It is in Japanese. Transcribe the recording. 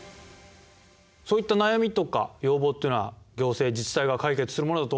そういった悩みとか要望っていうのは行政自治体が解決するものだと思うんですが？